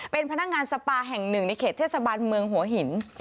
เป็นพนักงานสปาแห่งหนึ่งในเขตเทศบาลเมืองหัวหิน